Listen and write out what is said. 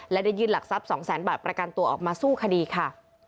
และได้ยื่นหลักทรัพย์๒แสนบาทประกันตัวออกมาสู้คดีค่ะ